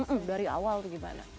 hmm dari awal itu gimana